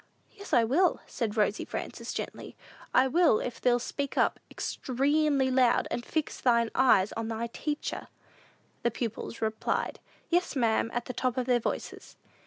"Yes, I will," said Rosy Frances, gently; "I will, if thee'll speak up 'xtremely loud, and fix thine eyes on thy teacher." The pupils replied, "Yes, ma'am," at the top of their voices.